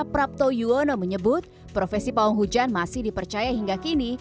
prapto yuwono menyebut profesi pawang hujan masih dipercaya hingga kini